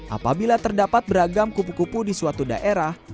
apabila terdapat beragam kupu kupu di suatu daerah